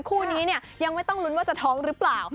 คู่นี้เนี่ยยังไม่ต้องลุ้นว่าจะท้องหรือเปล่า